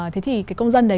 thế thì công dân đấy